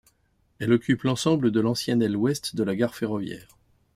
Elle occupe l'ensemble de l'ancienne aile ouest de la gare ferroviaire.